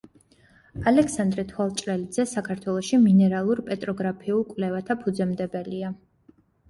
ალექსანდრე თვალჭრელიძე საქართველოში მინერალურ–პეტროგრაფიულ კვლევათა ფუძემდებელია.